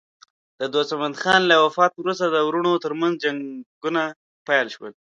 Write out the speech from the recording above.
د دوست محمد خان له وفات وروسته د وروڼو ترمنځ جنګونه پیل شول.